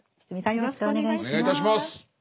よろしくお願いします。